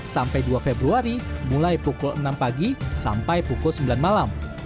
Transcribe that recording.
sampai dua februari mulai pukul enam pagi sampai pukul sembilan malam